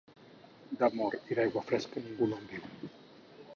D'amor i d'aigua fresca, ningú no en viu.